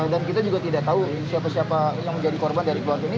dan kita juga tidak tahu siapa siapa yang menjadi korban dari keluarga ini